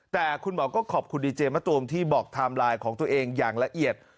แต่คุณหมอก็ขอบคุณดีเจมะตูมที่บอกไทม์ไลน์ของตัวเองอย่างละเอียด